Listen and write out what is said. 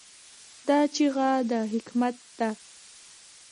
دا چیغه د حکمت ده.